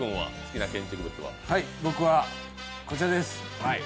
僕は、こちらです。